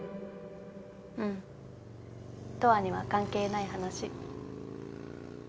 うんトアには関係ない話。